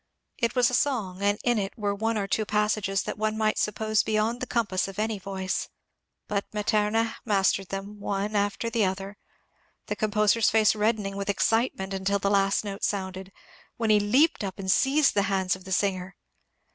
It was a song, and in it were one or two passages that one might suppose beyond the compass of any Toice ; but Matema mastered them one after the other, the com poser's face reddening with excitement imtil the last note sounded, when he leaped up and seized the hands of the singer.